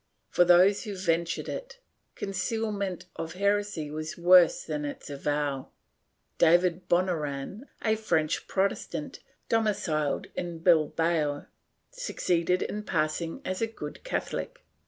For those who ventured it, concealment of heresy was worse than its avowal. David Bonoran, a French Protes tant, domiciled in Bilbao, succeeded in passing as a good Catholic.